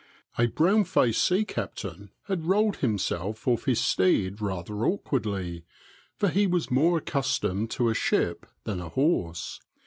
A brown faced sea captain had rolled himself off his steed rather awkwardly, for he was more accustomed to a ship than a horse.